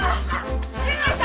救急車！？